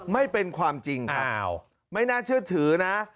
ไม่เป็นความจริงครับไม่น่าเชื่อถือนะ